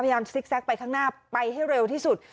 พยายามจะซิกแซกไปข้างหน้าไปให้เร็วที่สุด